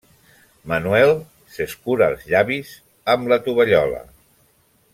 Manuel s’escura els llavis amb la tovallola.